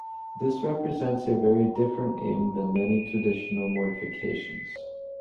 This represents a very different aim than many traditional mortifications.